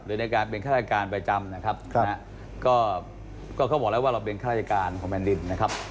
ในการเป็นฆาตการประจำนะครับก็เขาบอกแล้วว่าเราเป็นข้าราชการของแผ่นดินนะครับ